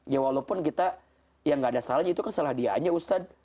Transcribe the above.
ya walaupun kita yang gak ada salahnya itu kan salah dia aja ustadz